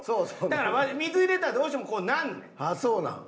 だから水入れたらどうしてもこうなんねん。ああそうなん？